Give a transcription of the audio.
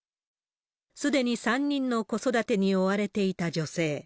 すでに３人の子育てに追われていた女性。